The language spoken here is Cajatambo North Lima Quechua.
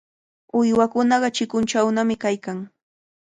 Uywakunaqa chikunchawnami kaykan.